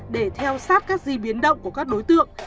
để theo sát các di biến động của các đối tượng